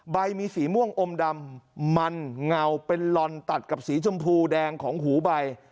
ใบมีสีม่วงอมดำมันเงาเป็นลอนตัดกับสีชมพูแดงของหูใบ